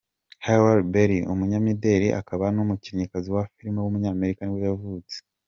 Halle Berry, umunyamideli akaba n’umukinnyikazi wa film w’umunyamerika nibwo yavutse.